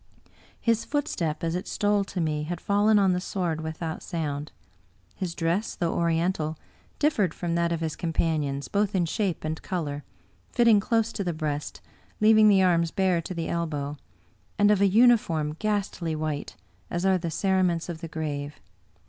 His footstep, as it stole to me, had fallen on the sward without sound. His dress, though Oriental, differed from that of his com panions, both in shape and color — ^fitting close to the breast, leaving the arms bare to the elbow, and of a uniform ghastly white, as are the cerements of the grave.